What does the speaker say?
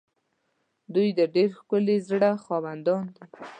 دوی د ډېر ښکلي زړه خاوندان دي.